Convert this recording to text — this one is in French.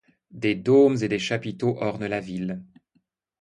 Des dômes et des chapiteaux ornent la ville.